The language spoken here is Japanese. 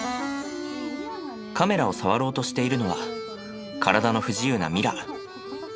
カメラを触ろうとしているのは体の不自由なミラ。